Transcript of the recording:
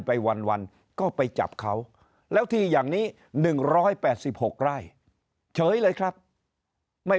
ไปวันก็ไปจับเขาแล้วที่อย่างนี้๑๘๖ไร่เฉยเลยครับไม่